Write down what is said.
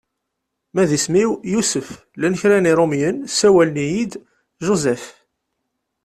Ma d isem-iw Yusef llan kra n Yirumyen sawalen-iyi-d Joseph.